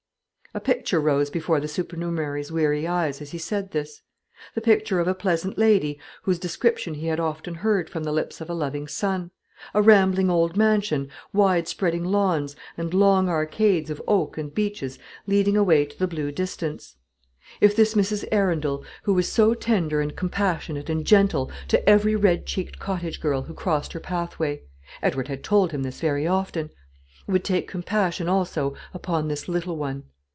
A picture rose before the supernumerary's weary eyes as he said this; the picture of a pleasant lady whose description he had often heard from the lips of a loving son, a rambling old mansion, wide spreading lawns, and long arcades of oak and beeches leading away to the blue distance. If this Mrs. Arundel, who was so tender and compassionate and gentle to every red cheeked cottage girl who crossed her pathway, Edward had told him this very often, would take compassion also upon this little one!